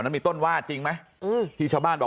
แม่แม่แม่แม่แม่แม่